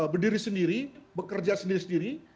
berdiri sendiri bekerja sendiri sendiri